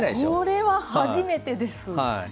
これは初めてです。